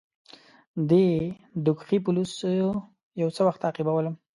دې دوږخي پولیسو یو څه وخت تعقیبولم.